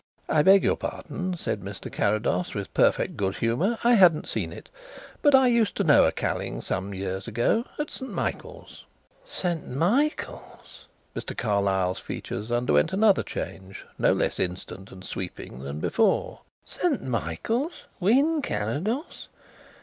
"I beg your pardon," said Mr. Carrados, with perfect good humour. "I hadn't seen it. But I used to know a Calling some years ago at St. Michael's." "St. Michael's!" Mr. Carlyle's features underwent another change, no less instant and sweeping than before. "St. Michael's! Wynn Carrados?